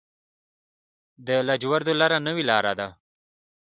د لاجوردو لاره نوې لاره ده